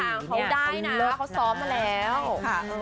ท่าท่าเขาได้นะเขาซ้อมมาแล้ว